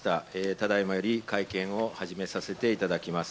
ただいまより会見を始めさせていただきます。